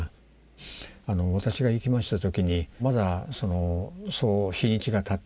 私が行きました時にまだそう日にちがたってなかった。